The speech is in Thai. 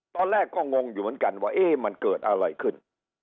ตอนแรกก็งงอยู่เหมือนกันว่ามันเกิดอะไรขึ้น